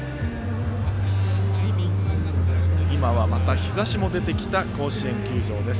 今は、また日ざしも出てきた甲子園球場です。